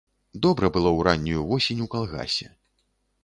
Добра было ў раннюю восень у калгасе.